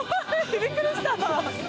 びっくりした！